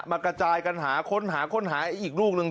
กระจายกันหาค้นหาค้นหาอีกลูกหนึ่ง